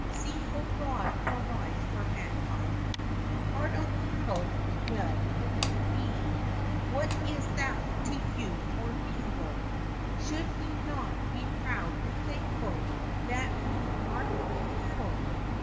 See how God provides for mankind ! Hard on cattle ?—well, it may be : What is that to you or me, tho' ? Should we not be proud and thankful That we are not cattle